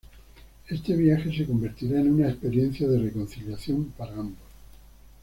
Este viaje se convertirá en una experiencia de reconciliación para ambos.